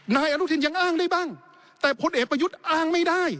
นายอนุทินยังอ้างได้บ้างแต่พลเอกประยุทธ์อ้างไม่ได้